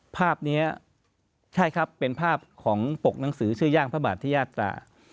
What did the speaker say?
ภาพนี้ใช่ครับเป็นภาพของปกหนังสือชื่อย่างพระบาทที่ยาตรา